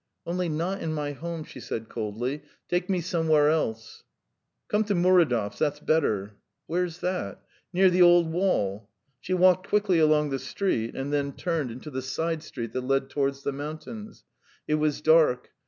"Only not in my home," she said coldly. "Take me somewhere else." "Come to Muridov's. That's better." "Where's that?" "Near the old wall." She walked quickly along the street and then turned into the side street that led towards the mountains. It was dark.